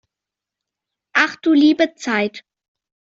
Ach du liebe Zeit!